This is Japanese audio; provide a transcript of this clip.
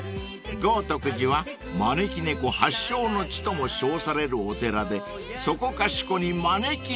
［豪寺は招き猫発祥の地とも称されるお寺でそこかしこに招き猫が］